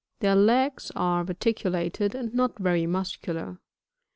Their legs are reticulated and not very muscular.